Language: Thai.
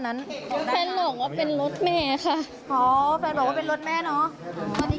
มีอะไรอยากเกิดพูดไหมตอนนี้